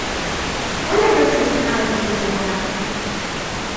و لا تنسى سقاية المزروعات.